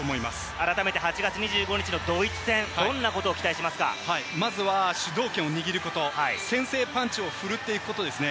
改めて８月２５日のドイツ戦、まずは主導権を握ること、先制パンチを振るっていくことですね。